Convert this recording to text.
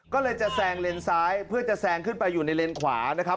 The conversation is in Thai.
ก็เลยจะแซงเลนซ้ายเพื่อจะแซงขึ้นไปอยู่ในเลนขวานะครับ